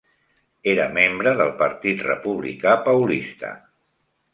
Era membre del Partit Republicà Paulista.